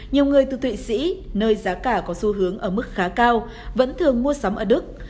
nhiều người từ thụy sĩ nơi giá cả có xu hướng ở mức khá cao vẫn thường mua sắm ở đức